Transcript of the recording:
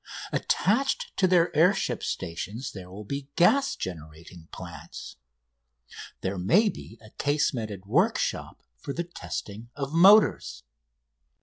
Attached to their air ship stations there will be gas generating plants. There may be a casemated workshop for the testing of motors.